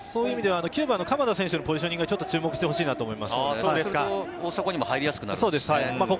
９番の鎌田選手のポジショニングに注目してほしいなと思います。